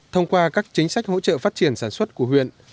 thông qua các chính sách hỗ trợ phát triển sản xuất của huyện